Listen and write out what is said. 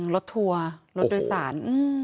รถทัวร์รถโดยสาร